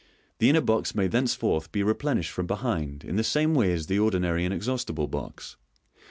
The inner box may thenceforth be replenished from behind in the same way as the ordinary Inexhaustible Box.